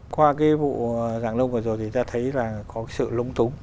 qua cái vụ giảng đông vừa rồi thì ta thấy là có sự lúng túng